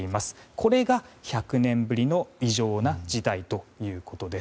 これが、１００年ぶりの異常な事態ということです。